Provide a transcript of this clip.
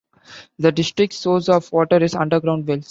The district's source of water is underground wells.